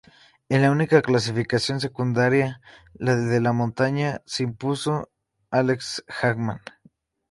En la única clasificación secundaria, la de la montaña, se impuso Alex Hagman.